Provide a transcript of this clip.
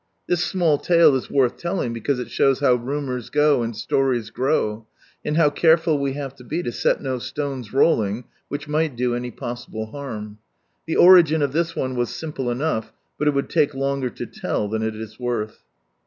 This small tale is worth telling, because it shows how rumours go, and stories grow ; ami how careful we have to be to set no stones rolling which might do any possible harm. The origin of this one was simple enough, but it would take longer to tell than it is worth.